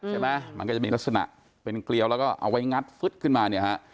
ใช่ไหมมันก็จะมีลักษณะเป็นเกลียวแล้วก็เอาไว้งัดฟึ๊ดขึ้นมาเนี่ยฮะ